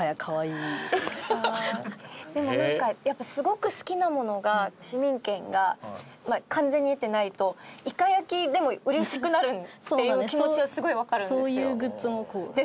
でもなんかやっぱすごく好きなものが市民権が完全に得てないといか焼でも嬉しくなるっていう気持ちはすごいわかるんですよ。